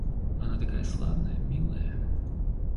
Она такая славная, милая.